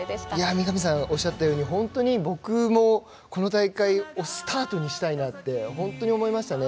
三上さんがおっしゃったように、僕もこの大会をスタートにしたいと本当に思いましたね。